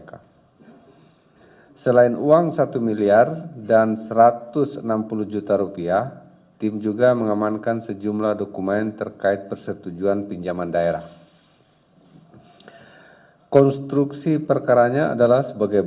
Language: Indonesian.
setelah itu tim berkoordinasi dengan polda lampung dan sekitar pukul delapan belas dua puluh wib